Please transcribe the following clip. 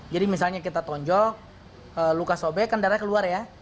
jadi misalnya kita tonjok luka sobek kan darahnya keluar ya